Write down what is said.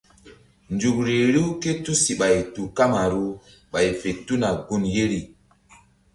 Nzukri riw ké tusiɓay tu kamaru ɓay fe tuna gun yeri.